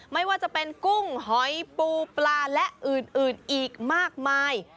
ไม่ว่าจะเป็นกุ้งหอยปูปลาและอื่นอีกมากมาย